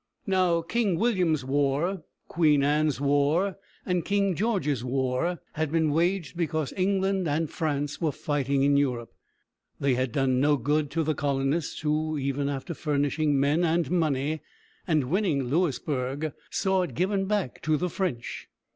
Now, King William's War, Queen Anne's War, and King George's War had been waged because England and France were fighting in Europe. They had done no good to the colonists, who, even after furnishing men and money, and winning Louisburg, saw it given back to the French.